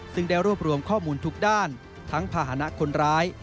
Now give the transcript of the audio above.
ซึ่งได้รวบรวมข้อมูลทุกด้านทั้งภาษณะคนร้าย